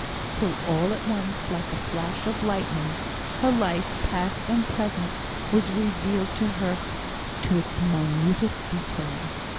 Till all at once, like a flash of lightning, her life, past and present, was revealed to her in its minutest detail.